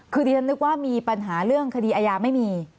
คือดิฉันนึกว่ามีปัญหาเรื่องคดีอาญาไม่มี